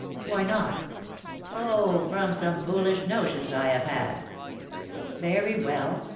"Why not?" "Oh, from some foolish notions I have had." "Very well.